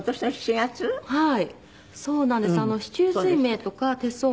「はい」